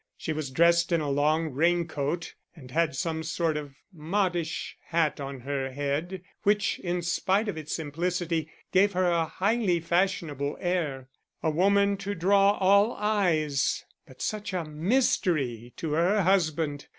She was dressed in a long rain coat and had some sort of modish hat on her head, which, in spite of its simplicity, gave her a highly fashionable air. A woman to draw all eyes, but such a mystery to her husband!